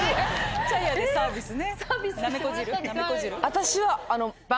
私は。